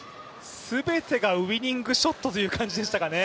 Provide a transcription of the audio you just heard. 全てがウイニングショットという感じでしたかね。